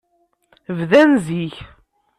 Bdan zik.